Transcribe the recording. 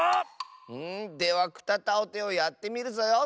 では「くたたをて」をやってみるぞよ。